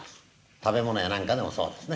食べ物や何かでもそうですね。